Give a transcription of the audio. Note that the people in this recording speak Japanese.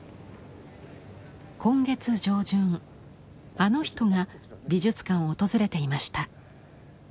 今月上旬あの人が美術館を訪れていました。